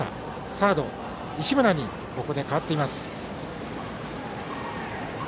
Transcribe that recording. サード石村にここで代わっています。